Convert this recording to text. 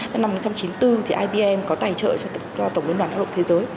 là năm một nghìn chín trăm chín mươi bốn thì ibm có tài trợ cho tổng liên đoàn thác lục thế giới